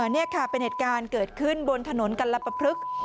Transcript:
นี่ค่ะเป็นเหตุการณ์เกิดขึ้นบนถนนกัลปพลึก